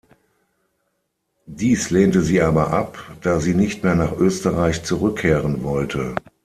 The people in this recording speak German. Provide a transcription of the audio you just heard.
Dies lehnte sie aber ab, da sie nicht mehr nach Österreich zurückkehren wollte.